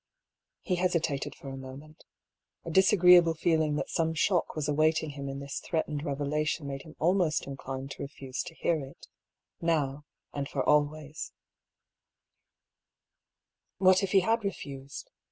He hesitated for a moment. A disagreeable feeling that some shock was awaiting him in this threatened revelation made him almost inclined to refuse to hear it, now and for always. 232 1>I^ FAULL'S THEORY. What if he had refused?